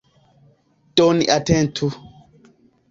Do ni atentu.